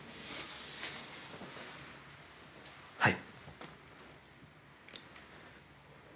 はい。